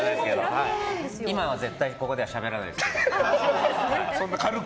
今ここでは絶対しゃべらないですけど。